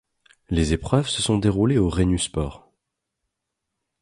Les épreuves se sont déroulées au Rhénus Sport.